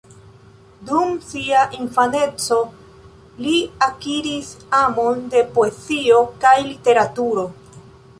Dum sia infaneco li akiris amon de poezio kaj literaturo.